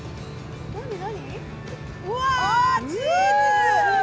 うわ、チーズ！